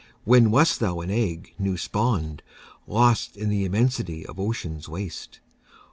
When wast thou an egg new spawn'd, Lost in the immensity of ocean's waste?